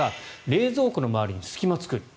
冷蔵庫の周りに隙間を作る。